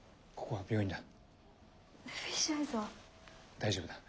大丈夫だ。